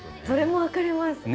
それも分かります。